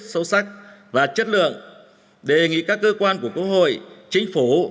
sâu sắc và chất lượng đề nghị các cơ quan của quốc hội chính phủ